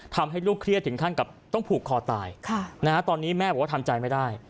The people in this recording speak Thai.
ทำให้ลูกเครียดถึงขั้นกับต้องผูกคอตายตอนนี้แม่บอกว่าทำใจไม่ได้